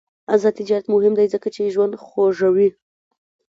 آزاد تجارت مهم دی ځکه چې ژوند خوږوي.